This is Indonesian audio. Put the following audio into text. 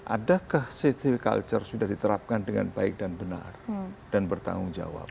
adakah safety culture sudah diterapkan dengan baik dan benar dan bertanggung jawab